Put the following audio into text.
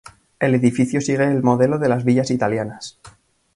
El edificio sigue el modelo de las villas italianas.